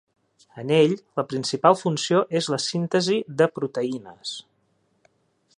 En ell la principal funció és la síntesi de proteïnes.